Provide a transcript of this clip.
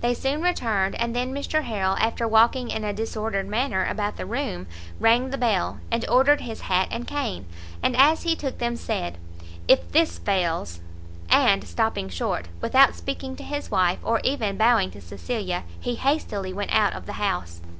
They soon returned, and then Mr Harrel, after walking in a disordered manner about the room, rang the bell, and ordered his hat and cane, and as he took them, said "If this fails " and, stopping short, without speaking to his wife, or even bowing to Cecilia, he hastily went out of the house.